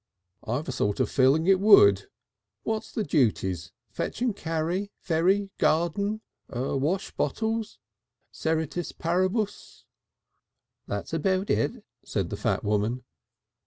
"I've a sort of feeling it would. What's the duties? Fetch and carry? Ferry? Garden? Wash bottles? Ceteris paribus?" "That's about it," said the fat woman.